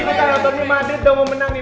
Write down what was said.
gue taro turni nadif udah mau menang nih